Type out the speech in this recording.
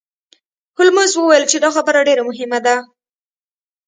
هولمز وویل چې دا خبره ډیره مهمه ده.